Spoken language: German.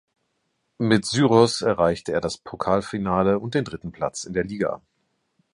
Mit Syros erreichte er das Pokalfinale und den dritten Platz in der Liga.